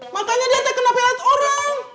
makanya dia tak kena pilot orang